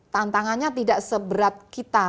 tantangannya tidak seberat kita